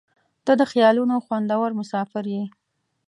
• ته د خیالونو خوندور مسافر یې.